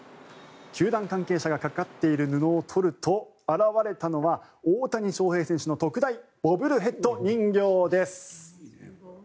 球団関係者がかかっている布を取ると現れたのは大谷翔平選手の特大ボブルヘッド人形です。